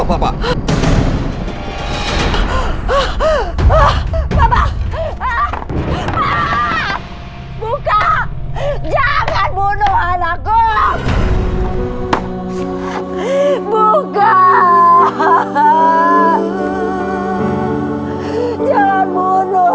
bapak terlalu percaya sama bukitulian